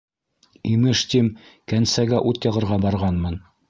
Имеш тим, кәнсәгә ут яғырға барғанмын.